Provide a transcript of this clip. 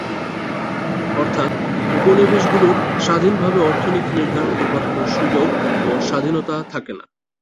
অর্থাৎ, উপনিবেশগুলির স্বাধীনভাবে অর্থনীতি নির্ধারণ করবার কোন সুযোগ ও স্বাধীনতা থাকে না।